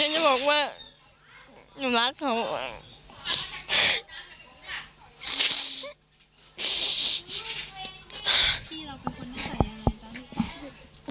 อยากจะบอกว่าหนูรักเขา